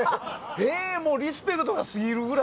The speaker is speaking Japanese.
リスペクトがすぎるぐらい。